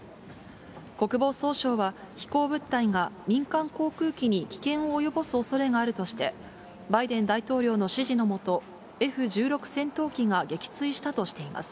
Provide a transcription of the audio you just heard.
国防総省は、飛行物体が民間航空機に危険を及ぼすおそれがあるとして、バイデン大統領の指示の下、Ｆ１６戦闘機が撃墜したとしています。